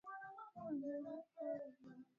nafasi ya kuweza kutoa mashauriano lakini